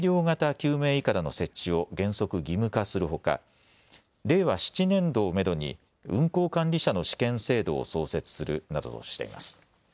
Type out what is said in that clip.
救命いかだの設置を原則義務化するほか、令和７年度をめどに運航管理者の試験制度を創設するなどとしています。